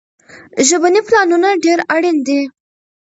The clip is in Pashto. ژبني پلانونه ډېر اړين دي.